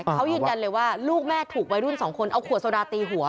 เขายืนยันเลยว่าลูกแม่ถูกวัยรุ่นสองคนเอาขวดโซดาตีหัว